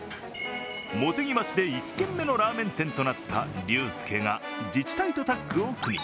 茂木町で１軒目のラーメン店となった龍介が自治体とタッグを組み